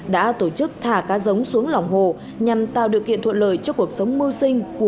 đã tổ chức thả cá giống xuống lòng hồ nhằm tạo điều kiện thuận lợi cho cuộc sống mưu sinh của